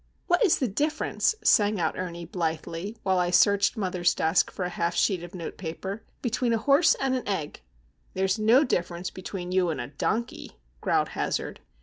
"What is the difference," sang out Ernie, blithely, while I searched mother's desk for a half sheet of note paper, "between a horse and an egg?" "There's no difference between you and a donkey," growled Hazard.